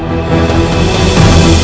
aku mau pergi